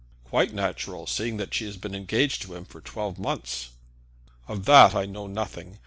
"Quite natural seeing that she has been engaged to him for twelve months." "Of that I know nothing.